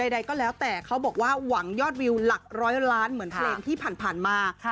ใดก็แล้วแต่เขาบอกว่าหวังยอดวิวหลักร้อยล้านเหมือนเพลงที่ผ่านมา